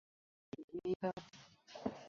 জানালা এবং দরজা দেয়ালের গুরুত্বপূর্ণ অনুষঙ্গ।